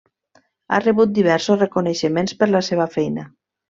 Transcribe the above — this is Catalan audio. Ha rebut diversos reconeixements per la seva feina.